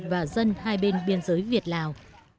và dân hai bên biên giới việt lào